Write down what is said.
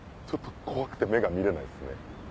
ちょっと怖くて目が見れないですね。